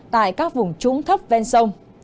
tại các vùng trúng thấp ven sông